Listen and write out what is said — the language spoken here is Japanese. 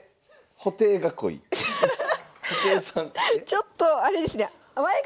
ちょっとあれですね。